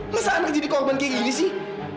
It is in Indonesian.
masa anak jadi korban kayak gini sih